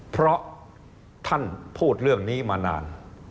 เพราะท่านพูดเรื่องนี้มานาน